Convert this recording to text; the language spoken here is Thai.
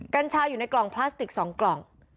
กัญชาอยู่ในกล่องพลาสติก๒กล่อง